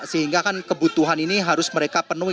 sehingga kan kebutuhan ini harus mereka penuhi